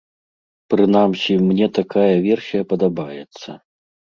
Прынамсі, мне такая версія падабаецца.